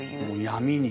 「闇」に。